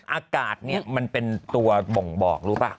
อากาศนี้มันเป็นตัวบ่งบอกรู้ป่ะ